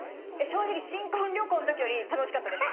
正直、新婚旅行のときより楽しかったです。